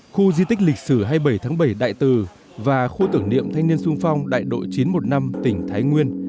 khu di tích lịch sử hai mươi bảy tháng bảy đại tử và khu tưởng niệm thanh niên sung phong đại đội chín trăm một mươi năm tỉnh thái nguyên